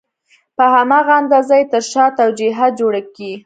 په هماغه اندازه یې تر شا توجیهات جوړېږي.